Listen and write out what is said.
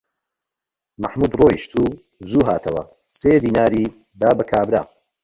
مەحموود ڕۆیشت و زوو هاتەوە، سێ دیناری دا بە کابرا